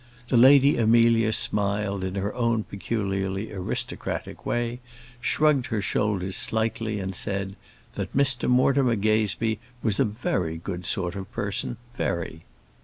The Lady Amelia smiled in her own peculiarly aristocratic way, shrugged her shoulders slightly, and said, "that Mr Mortimer Gazebee was a very good sort of a person, very."